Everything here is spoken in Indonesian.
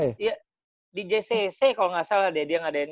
iya di jcc kalo gak salah deh dia ngadainya